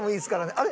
あれ？